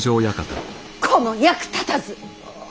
この役立たず！